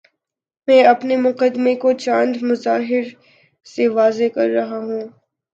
میں اپنے مقدمے کو چند مظاہر سے واضح کر رہا ہوں۔